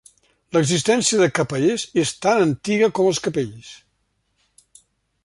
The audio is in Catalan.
L’existència de capellers és tan antiga com els capells.